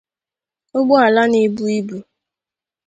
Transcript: ụgbọala na-ebu íbú